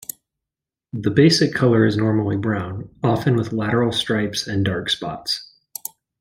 The basic colour is normally brown, often with lateral stripes and dark spots.